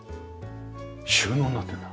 収納になってるんだ。